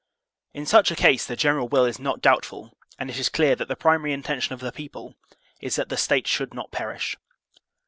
In such a case the general will is not doubtful, and it is clear that the primary intention of the people is that the State should not perish.